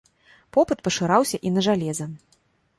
Попыт пашырыўся і на жалеза.